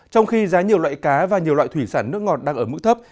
trong khi giá nhiều loại cá và nhiều loại thủy sản nước ngọt đang ở mức thấp